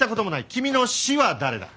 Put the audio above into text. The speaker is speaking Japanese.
君の師は誰だ？